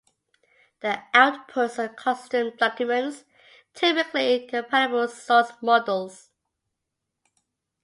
The outputs are custom documents, typically compilable source modules.